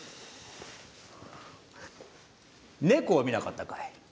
猫を見なかったかい？